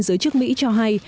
giới chức mỹ cho hay